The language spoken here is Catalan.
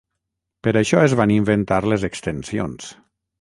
Per això es van inventar les extensions.